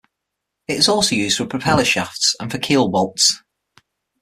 It is also used for propeller shafts and for keel bolts.